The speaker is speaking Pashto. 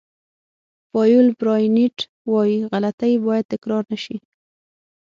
پایول براینټ وایي غلطۍ باید تکرار نه شي.